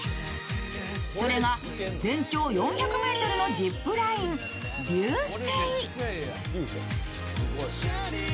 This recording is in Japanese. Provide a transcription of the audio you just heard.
それが全長４００ｍのジップライン、流星。